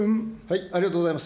ありがとうございます。